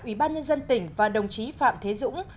ubnd tỉnh và đồng chí phạm thế dũng